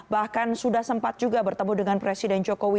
bahkan sudah sempat juga bertemu dengan presiden jokowi